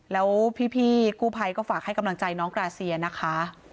แล้วพี่กู้ภัยก็ฝากให้กำลังใจน้องกราเซียนะคะ